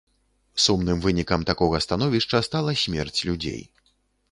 Сумным вынікам такога становішча стала смерць людзей.